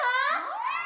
うん！